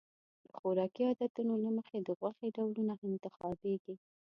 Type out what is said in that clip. د خوراکي عادتونو له مخې د غوښې ډولونه انتخابېږي.